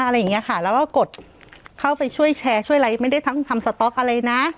อะไรอย่างนี้ค่ะแล้วก็กดเข้าไปช่วยแชร์ช่วยอะไรไม่ได้ทั้งทำสต๊อกอะไรนะ